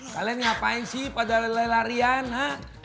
kalian ngapain sih pada lelah riana